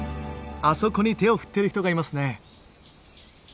あそこに手を振っている人がいますね。